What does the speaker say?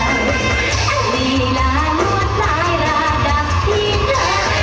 แอลลีลาลวดหลายระดับที่เธอ